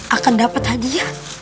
akan dapat hadiah